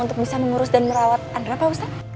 untuk bisa mengurus dan merawat andra pak ustadz